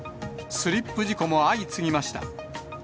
スリップ事故も相次ぎました。